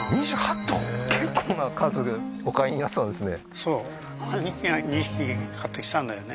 結構な数お飼いになってたんですね